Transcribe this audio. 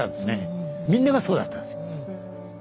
みんながそうだったんです。